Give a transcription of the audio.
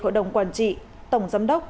hội đồng quản trị tổng giám đốc